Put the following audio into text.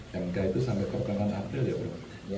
yang pertama itu sampai ke pertengahan april ya bro